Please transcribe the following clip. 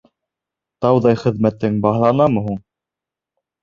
— Тауҙай хеҙмәтең баһаланамы һуң?